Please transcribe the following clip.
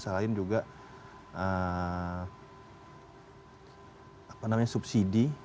selain juga apa namanya subsidi